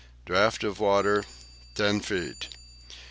Draught of water, 10 feet.